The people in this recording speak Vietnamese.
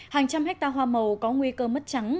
hàng trăm hectare hoa màu có nguy cơ mất trắng